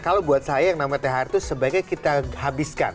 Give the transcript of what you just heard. kalau buat saya yang nama thr itu sebaiknya kita habiskan